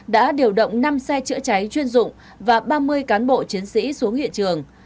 đã điều động năm xe chữa cháy chuyên dụng và ba mươi cán bộ chiến sĩ xuống hiện trường